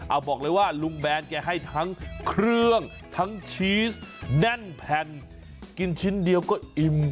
เอาบอกเลยว่าลุงแบนแกให้ทั้งเครื่องทั้งชีสแน่นแผ่นกินชิ้นเดียวก็อิ่ม